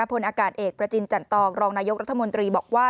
พลอากาศเอกประจินจันตองรองนายกรัฐมนตรีบอกว่า